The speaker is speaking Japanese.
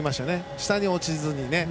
下に落ちずに。